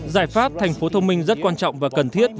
giải pháp thành phố thông minh rất quan trọng và cần thiết